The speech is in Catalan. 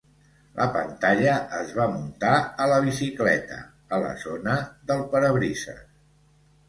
La pantalla es va muntar a la bicicleta, a la zona del parabrises.